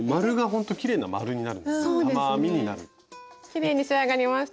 きれいに仕上がりました。